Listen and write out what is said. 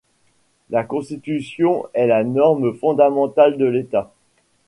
La Constitution est la norme fondamentale de l’État.